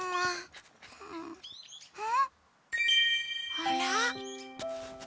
あら。